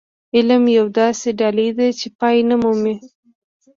علم يوه داسې ډالۍ ده چې پای نه مومي.